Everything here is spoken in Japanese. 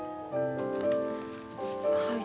はい。